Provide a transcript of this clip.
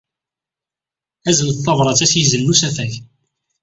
Aznet tabṛat-a s yizen n usafag.